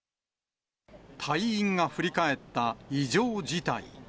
隊員が振り返った異常事態。